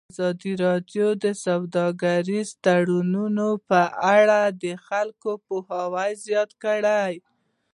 ازادي راډیو د سوداګریز تړونونه په اړه د خلکو پوهاوی زیات کړی.